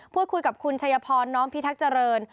พูดคุยกับคุณชัยพรน้อมพิทักษ์เจริญ